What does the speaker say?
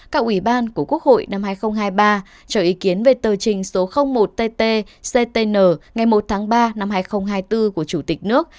các ủy ban của quốc hội năm hai nghìn hai mươi ba cho ý kiến về tờ trình số một tt ctn ngày một tháng ba năm hai nghìn hai mươi bốn của chủ tịch nước